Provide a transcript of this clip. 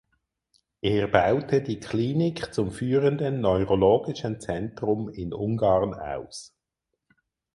Er baute die Klinik zum führenden neurologischen Zentrum in Ungarn aus.